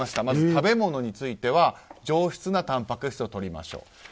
まず、食べ物については上質なたんぱく質をとりましょう。